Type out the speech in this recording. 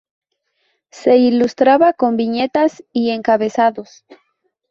Se ilustraba con viñetas y encabezados.